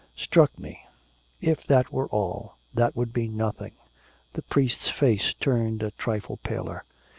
'Struck me! if that were all! that would be nothing.' The priest's face turned a trifle paler.